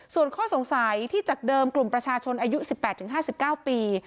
ส่วนข้อสงสัยที่จากเดิมกลุ่มประชาชนอายุ๑๘๕๙ปี